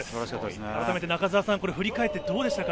改めて中澤さん振り返ってどうでしたか？